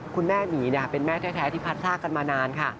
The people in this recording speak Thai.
คุณแม่หมีเป็นแม่แท้ที่พัดซากกันมานานค่ะ